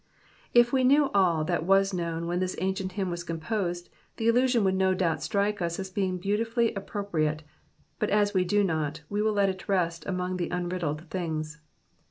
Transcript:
If we knew all that was known when this ancient hymn was composed, the allusion would no doubt strike us as being beautifully appropriate, but as we do not, we will let it rest among the unriddled things.